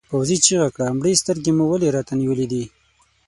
پوځي چیغه کړه مړې سترګې مو ولې راته نیولې دي؟